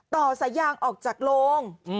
ต่อสายยางออกจากโลง